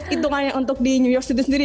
itu hanya untuk di new york city sendiri